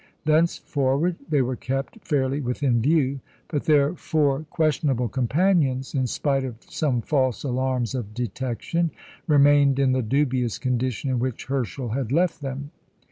Thenceforward they were kept fairly within view, but their four questionable companions, in spite of some false alarms of detection, remained in the dubious condition in which Herschel had left them.